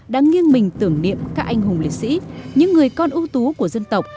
đã nghiêng mình tưởng niệm các anh hùng liệt sĩ những người con ưu tú của dân tộc